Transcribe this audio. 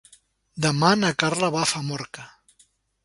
Demà na Carla va a Famorca.